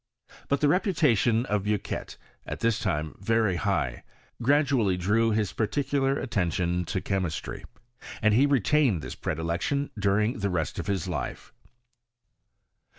But the reputation of Bucqnet, at that time very high, gradually drew his particular attention to chemistry, and he retained this predilection during' the rest of his life.